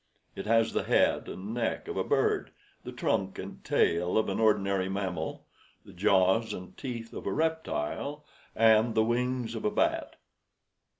It has the head and neck of a bird, the trunk and tail of an ordinary mammal, the jaws and teeth of a reptile, and the wings of a bat.